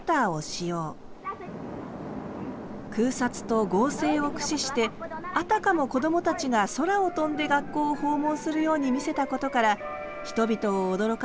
空撮と合成を駆使してあたかもこどもたちが空を飛んで学校を訪問するように見せたことから人々を驚かせ大人気となります。